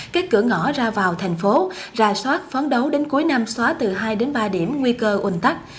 các cửa ngõ ra vào thành phố ra soát phán đấu đến cuối năm xóa từ hai đến ba điểm nguy cơ ủn tắc